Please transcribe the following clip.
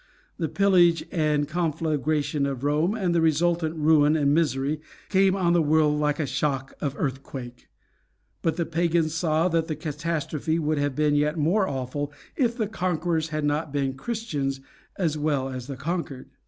The pillage and conflagration of Rome, and the resultant ruin and misery, came on the world like a shock of earthquake; but the Pagans saw that the catastrophe would have been yet more awful if the conquerors had not been Christians as well as the conquered.